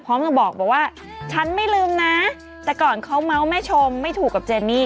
พร้อมกับบอกว่าฉันไม่ลืมนะแต่ก่อนเขาเมาส์แม่ชมไม่ถูกกับเจนี่